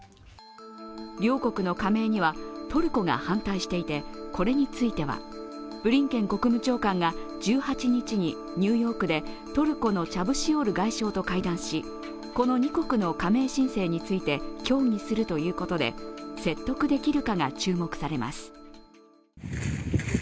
両国の加盟には、トルコが反対していて、これについてはブリンケン国務長官が１８日にニューヨークでトルコのチャブシオール外相と会談し、この二国の加盟申請について協議するということで説得できるかが注目されます。